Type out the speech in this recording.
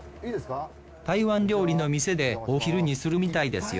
台湾料理の店でお昼にするみたいですよ